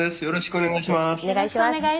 よろしくお願いします。